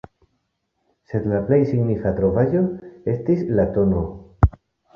Sed la plej signifa trovaĵo estis la tn.